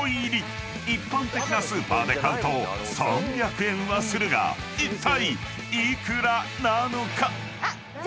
［一般的なスーパーで買うと３００円はするがいったい幾らなのか？］